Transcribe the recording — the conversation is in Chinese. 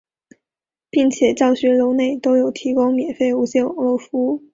并且教学楼内都有提供免费无线网络服务。